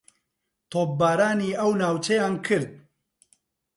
تۆپبارانی ئەو ناوچەیان کرد